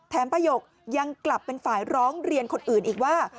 ประหยกยังกลับเป็นฝ่ายร้องเรียนคนอื่นอีกว่า